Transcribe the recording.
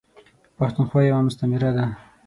پښتونخوا یوه مستعمیره ده .